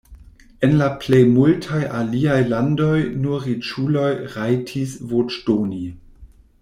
En la plej multaj aliaj landoj nur riĉuloj rajtis voĉdoni.